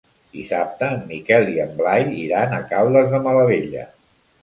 Dissabte en Miquel i en Blai iran a Caldes de Malavella.